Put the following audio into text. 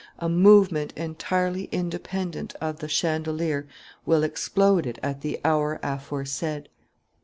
A movement entirely independent of the chandelier will explode it at the hour aforesaid.